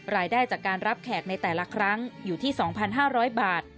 รายได้จากการรับแขกในแต่ละครั้งอยู่ที่๒๕๐๐บาท